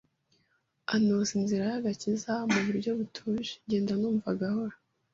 antoza inzira y’agakiza mu buryo butuje ngenda numva gahoro